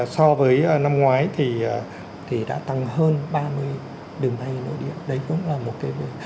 so với năm ngoái thì đã tăng hơn ba mươi đường bay nội địa đấy cũng là một cái